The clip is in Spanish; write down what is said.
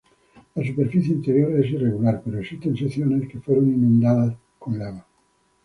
La superficie interior es irregular, pero existen secciones que fueron inundadas con lava.